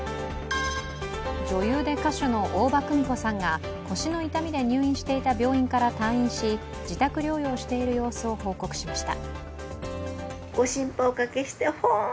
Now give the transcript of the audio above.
女優で歌手の大場久美子さんが腰の痛みで入院していた病院から退院し自宅療養している様子を報告しました。